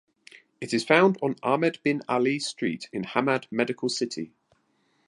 It is found on Ahmed Bin Ali Street in Hamad Medical City.